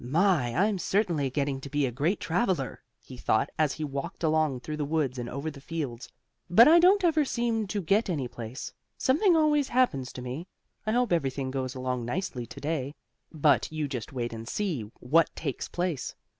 "My! I'm certainly getting to be a great traveler," he thought as he walked along through the woods and over the fields. "But I don't ever seem to get to any place. Something always happens to me. I hope everything goes along nicely to day." But you just wait and see what takes place.